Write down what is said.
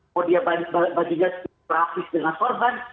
mau dia baginya terapis dengan korban